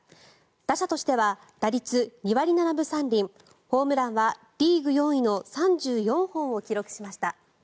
打者としては打率２割７分３厘ホームランはリーグ４位の３４本を記録しました。